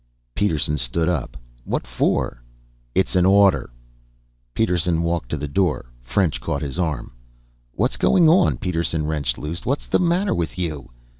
Peterson stood up. "What for?" "It's an order." Peterson walked to the door. French caught his arm. "What's going on?" Peterson wrenched loose. "What's the matter with you?"